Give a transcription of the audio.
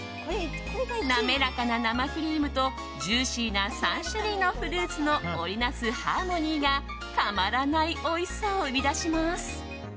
滑らかな生クリームとジューシーな３種類のフルーツの織り成すハーモニーがたまらないおいしさを生み出します。